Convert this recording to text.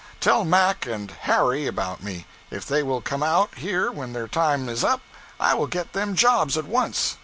tell Mack and Harry about me, if they will come out here when their time is up i will get them jobs at once.